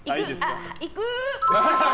行く！